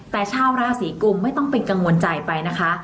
แต่ชาวราศีกุมไม่ต้องเป็นกังวลใจไปนะคะ